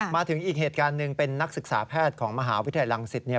มาถึงอีกเหตุการณ์หนึ่งเป็นนักศึกษาแพทย์ของมหาวิทยาลัยลังศิษย์เนี่ย